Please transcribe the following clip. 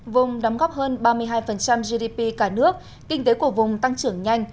vùng đóng góp hơn ba mươi hai gdp cả nước kinh tế của vùng tăng trưởng nhanh